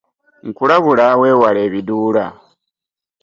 Nkulabula wewale ebiduula.